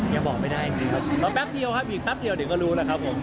ยังบอกไม่ได้จริงครับรอแป๊บเดียวครับอีกแป๊บเดียวเดี๋ยวก็รู้แล้วครับผม